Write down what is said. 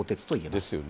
ですよね。